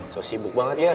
sok sibuk banget ya